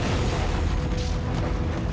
kita harus ke rumah